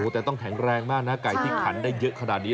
แต่ต้องแข็งแรงมากนะไก่ที่ขันได้เยอะขนาดนี้